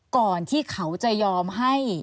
ก่อนที่เขาจะยอมให้